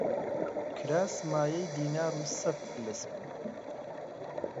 کراس مایەی دینار و سەت فلس بوو